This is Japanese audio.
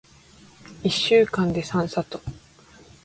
一週間で三里